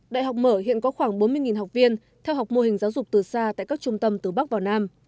đại học mở hiện có khoảng bốn mươi học viên theo học mô hình giáo dục từ xa tại các trung tâm từ bắc vào nam